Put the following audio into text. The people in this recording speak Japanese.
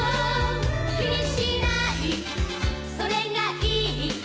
「気にしないそれがいい」